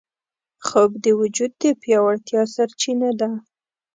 خوب د وجود د پیاوړتیا سرچینه ده